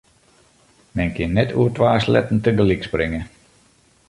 Men kin net oer twa sleatten tagelyk springe.